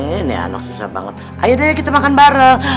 ini anak susah banget ayo deh kita makan bareng